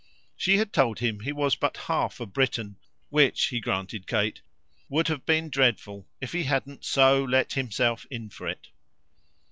She had told him he was but half a Briton, which, he granted Kate, would have been dreadful if he hadn't so let himself in for it.